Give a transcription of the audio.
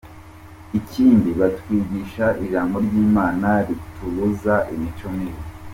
Ikindi batwigisha ijambo ry’Imana ritubuza imico mibi.